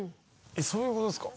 そういうことですか？